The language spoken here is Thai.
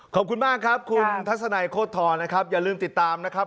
ขอบคุณมากครับคุณทัศนัยโคตรนะครับอย่าลืมติดตามนะครับ